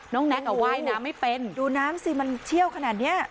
แน็กอ่ะว่ายน้ำไม่เป็นดูน้ำสิมันเชี่ยวขนาดเนี้ย